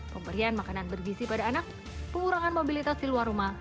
pemberian makanan bergizi pada anak pengurangan mobilitas di luar rumah